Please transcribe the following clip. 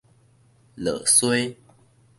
落衰